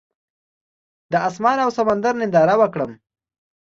د اسمان او سمندر ننداره وکړم.